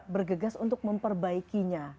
bergegas untuk memperbaikinya